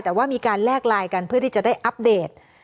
แต่ว่ามีการแลกไลน์กันเพื่อที่จะได้อัปเดต